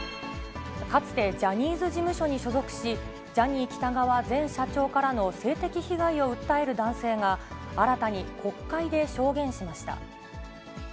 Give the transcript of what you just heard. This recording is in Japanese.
かつてジャニーズ事務所に所属し、ジャニー喜多川前社長からの性的被害を訴える男性が、新たに国会で証言しました。